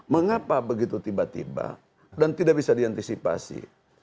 mengapa begitu tiba tiba dan tidak bisa diantisipasi